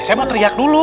saya mau teriak dulu